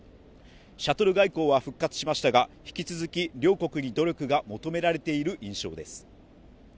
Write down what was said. シャトル外交は復活しましたが、引き続き両国に努力が求められている印象です。